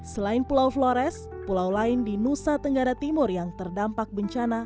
selain pulau flores pulau lain di nusa tenggara timur yang terdampak bencana